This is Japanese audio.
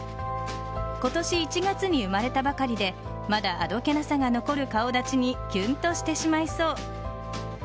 今年１月に生まれたばかりでまだ、あどけなさが残る顔立ちにキュンとしてしまいそう。